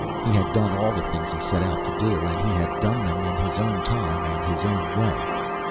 He had done all the things He set out to do, and He had done them in His own time and His own way.